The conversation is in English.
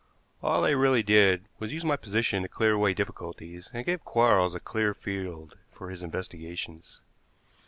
All I really did was to use my position to clear away difficulties and give Quarles a clear field for his investigations.